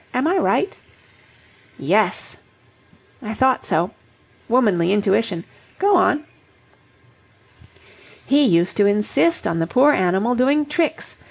Am I right?" "Yes!" "I thought so. Womanly intuition! Go on." "He used to insist on the poor animal doing tricks.